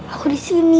aku di sini